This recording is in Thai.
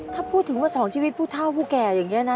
ถ้าพูดถึงว่า๒ชีวิตผู้เท่าผู้แก่อย่างนี้นะ